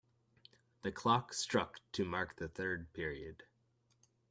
The clock struck to mark the third period.